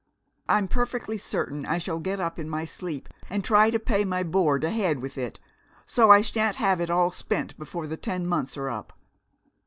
I'm perfectly certain I shall get up in my sleep and try to pay my board ahead with it, so I shan't have it all spent before the ten months are up!